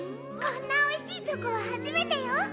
こんなおいしいチョコははじめてよ！